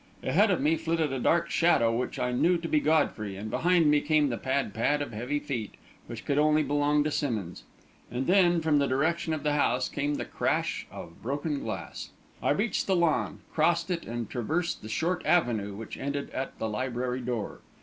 Ahead of me flitted a dark shadow which I knew to be Godfrey, and behind me came the pad pad of heavy feet, which could only belong to Simmonds. And then, from the direction of the house, came the crash of broken glass. I reached the lawn, crossed it, and traversed the short avenue which ended at the library door.